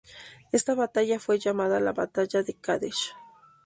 Esta batalla fue llamada la batalla de Qadesh.